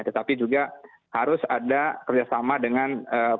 tetapi juga harus ada kerjasama dengan pemerintah